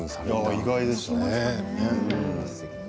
意外ですね。